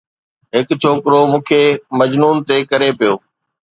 هڪ ڇوڪرو، مون کي مجنون تي ڪري پيو